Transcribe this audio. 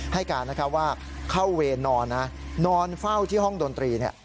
ให้การว่าเข้าเวนอนนอนเฝ้าที่ห้องดนตรีเนี่ย